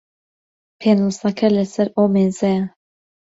پێنووسەکە لە سەر ئەو مێزەیە.